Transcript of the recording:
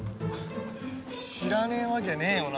知らねえわけねえよな？